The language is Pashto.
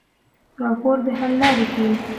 راپور د حل لارې ښيي.